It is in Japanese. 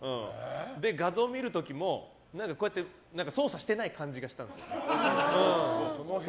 画像を見る時も操作してない感じがしたんですよ。